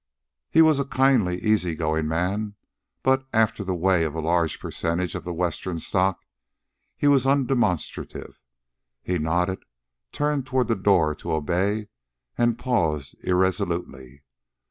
He was a kindly, easy going man; but, after the way of a large percentage of the Western stock, he was undemonstrative. He nodded, turned toward the door to obey, and paused irresolutely.